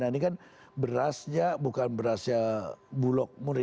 ini kan berasnya bukan berasnya bulog murni